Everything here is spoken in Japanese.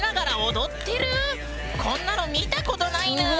こんなの見たことないぬん。